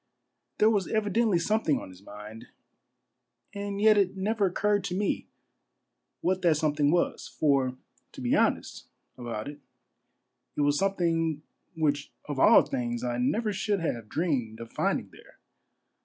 There was evidently something on his mind, and yet it never occurred to me what that something was ; for to be honest about it, it was something which of all things I never should have dreamed of finding there.